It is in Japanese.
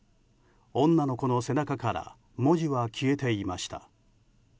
女の子の背中から文字は消えていました。